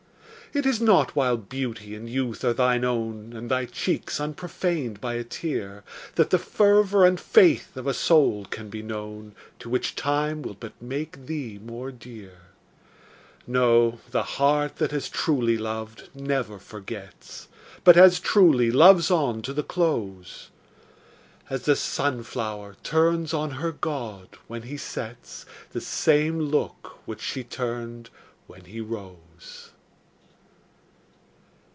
It is not while beauty and youth are thine own, And thy cheeks unprofaned by a tear, That the fervor and faith of a soul can be known, To which time will but make thee more dear; No, the heart that has truly loved never forgets, But as truly loves on to the close, As the sun flower turns on her god, when he sets, The same look which she turned when he rose.